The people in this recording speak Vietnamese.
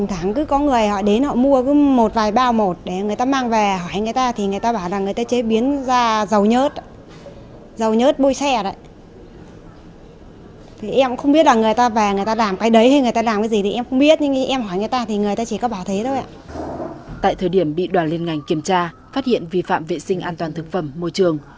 tại thời điểm bị đoàn liên ngành kiểm tra phát hiện vi phạm vệ sinh an toàn thực phẩm môi trường